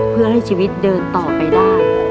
เพื่อให้ชีวิตเดินต่อไปได้